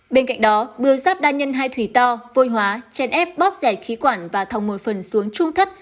bên cạnh đó bướu giáp đa nhân hai thủy to vôi hóa chen ép bóp rẻ khí quản và thòng một phần xuống trung thất